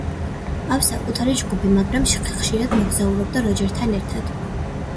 ჰყავს საკუთარი ჯგუფი, მაგრამ ხშირად მოგზაურობდა როჯერთან ერთად.